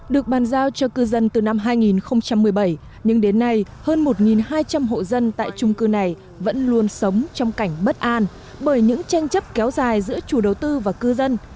được bàn giao cho cư dân từ năm hai nghìn một mươi bảy nhưng đến nay hơn một hai trăm linh hộ dân tại trung cư này vẫn luôn sống trong cảnh bất an bởi những tranh chấp kéo dài giữa chủ đầu tư và cư dân